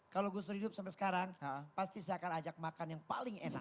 kalau gus dur hidup sampai sekarang pasti saya akan ajak makan yang paling enak